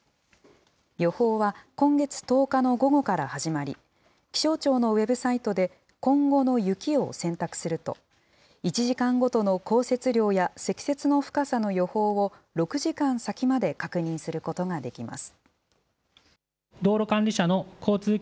予報は、今月１０日の午後から始まり、気象庁のウェブサイトで今後の雪を選択すると、１時間ごとの降雪量や積雪の深さの予報を６時間先まで確認することができます。